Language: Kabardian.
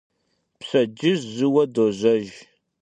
Pşedcıj jıue dojejj.